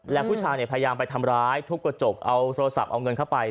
แล้วผู้ชายพยายามไปทำร้ายทุบกระจกเอาโทรศัพท์เอาเงินเข้าไป